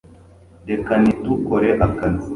reka ntitukore akazi